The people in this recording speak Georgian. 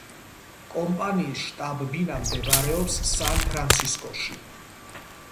კომპანიის შტაბ-ბინა მდებარეობს სან-ფრანცისკოში.